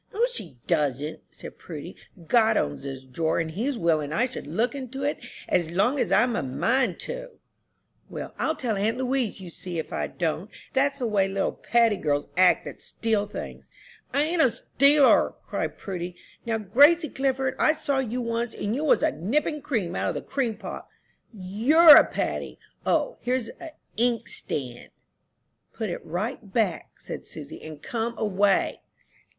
"No, she doesn't," said Prudy, "God owns this drawer, and he's willing I should look into it as long as I'm a mind to." "Well, I'll tell aunt Louise, you see if I don't. That's the way little Paddy girls act that steal things." "I ain't a stealer," cried Prudy. "Now, Gracie Clifford, I saw you once, and you was a nippin' cream out of the cream pot. You're a Paddy! O, here's a ink stand!" "Put it right back," said Susy, "and come away."